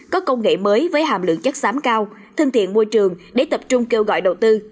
có công nghệ mới với hàm lượng chất xám cao thân thiện môi trường để tập trung kêu gọi đầu tư